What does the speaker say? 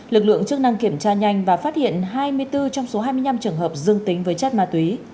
lực lượng chức năng kiểm tra nhanh và phát hiện hai mươi bốn trong số hai mươi năm trường hợp dương tính với chất ma túy